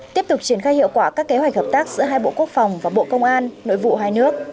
tiếp tục triển khai hiệu quả các kế hoạch hợp tác giữa hai bộ quốc phòng và bộ công an nội vụ hai nước